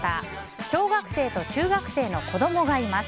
小学生と中学生の子供がいます。